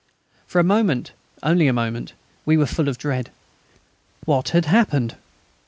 For a moment, only a moment, we were full of dread. What had happened?